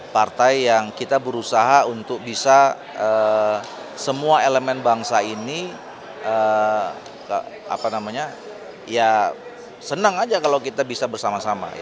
partai yang kita berusaha untuk bisa semua elemen bangsa ini ya senang aja kalau kita bisa bersama sama